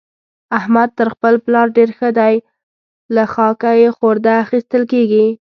احمد تر خپل پلار ډېر ښه دی؛ له خاکه يې خورده اخېستل کېږي.